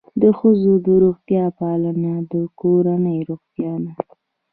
د ښځو د روغتیا پاملرنه د کورنۍ روغتیا ده.